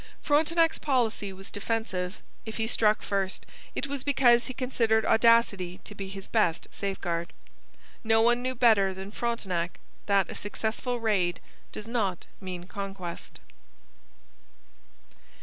Frontenac's policy was defensive. If he struck first, it was because he considered audacity to be his best safeguard. No one knew better than Frontenac that a successful raid does not mean conquest.